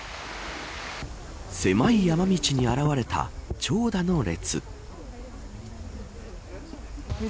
狭い山道に現れた長蛇の列。